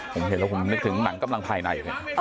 ผมเห็นแล้วผมนึกถึงหนังกำลังภายใน